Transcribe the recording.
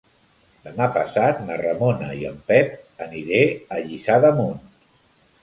Demà passat na Ramona i en Pep aniré a Lliçà d'Amunt.